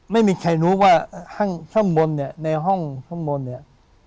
ไม่มีใครรู้ว่าห้องช่องบนเนี่ยในห้องช่องบนเนี่ย